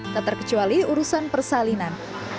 tak terkecuali urusan persalinan